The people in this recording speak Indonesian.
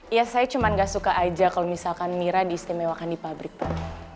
ya saya cuma gak suka aja kalau misalkan mira diistimewakan di pabrik pak